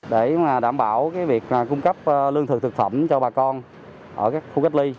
để đảm bảo việc cung cấp lương thực thực phẩm cho bà con ở các khu cách ly